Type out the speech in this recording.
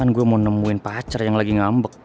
aslinya kan gue mau nemuin pacar yang lagi ngambek